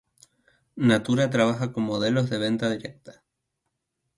Natura trabaja con modelos de venta directa.